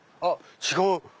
違う！